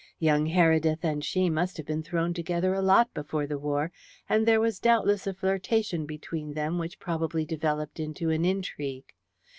Young Heredith and she must have been thrown together a lot before the war, and there was doubtless a flirtation between them which probably developed into an intrigue.